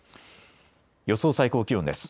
予想最高気温です。